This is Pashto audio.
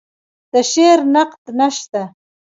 د شعر نقد نشته